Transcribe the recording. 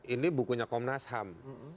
ini bukunya komnas ham